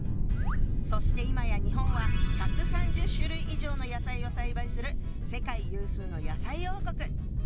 そしていまや日本は１３０種類以上の野菜を栽培する世界有数の野菜王国！